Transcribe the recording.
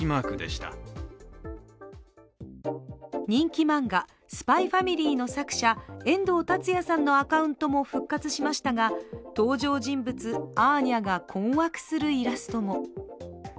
人気漫画「ＳＰＹ×ＦＡＭＩＬＹ」の作者遠藤達哉さんのアカウントも復活しましたが登場人物、アーニャが困惑するイラストも。